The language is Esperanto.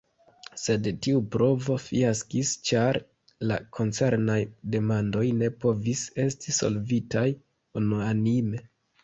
Sed tiu provo fiaskis ĉar la koncernaj demandoj ne povis esti solvitaj unuanime.